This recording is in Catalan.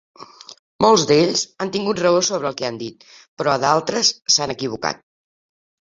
Molts d'ells han tingut raó sobre el que han dit, però d'altres s'han equivocat.